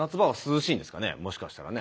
もしかしたらね。